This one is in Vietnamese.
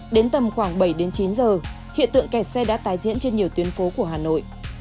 đến tầm khoảng bảy đến chín giờ hiện tượng kẹt xe đã tái diễn trên nhiều tuyến phố của hà nội